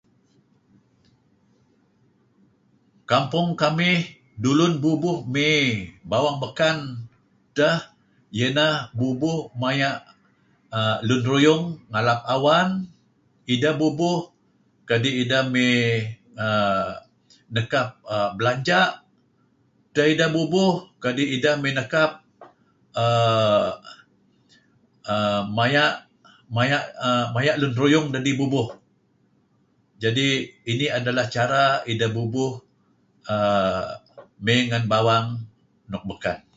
Kampung kamih dulun bubuh mey bawang beken edteh iyeh neh bubuh maya' err lun ruyung ngalap awan, ideh bubuh kadi' ideh mey err nekap belanja', edteh ideh bubuh kadi' ideh mey nekap err maya' err maya' lun ruyung dedih bubuh, jadi inih adalah cara ideh bubuh err mey ngan bawang nuk beken.